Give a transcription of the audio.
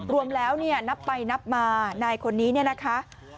รวมแล้วนับไปนับมานายคนนี้นะคะ